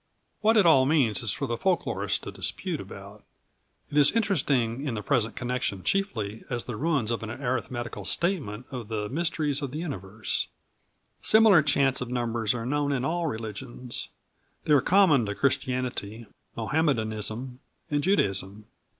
What it all means is for the folklorists to dispute about. It is interesting in the present connection chiefly as the ruins of an arithmetical statement of the mysteries of the universe. Similar chants of number are known in all religions. They are common to Christianity, Mohammedanism and Judaism.